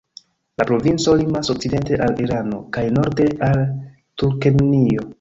La provinco limas okcidente al Irano kaj norde al Turkmenio.